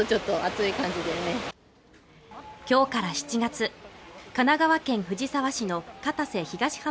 今日から７月神奈川県藤沢市の片瀬東浜